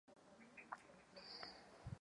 Brada byla nápadná.